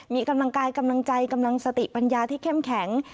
มีกำลังกายกำลังใจกำลังสติปัญญาที่เข้มแข็ง